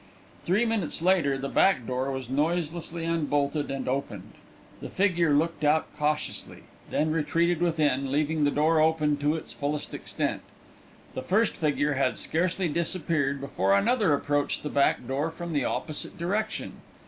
Three minutes later the back door was noiselessly unbolted and opened. The figure looked out cautiously, then retreated within, leaving the door open to its fullest extent. The first figure had scarcely disappeared before another approached the back door from the opposite direction.